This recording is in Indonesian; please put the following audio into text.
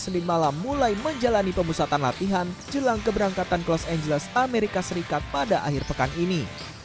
senin malam mulai menjalani pemusatan latihan jelang keberangkatan los angeles amerika serikat pada akhir pekan ini